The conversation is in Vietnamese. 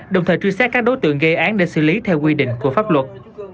đồng thời truy xét các đối tượng gây án để xử lý theo quy định của pháp luật